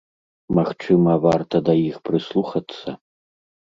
Магчыма, варта да іх прыслухацца?